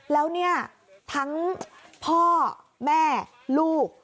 แล้วเนี่ยทั้งพ่อแม่ลูก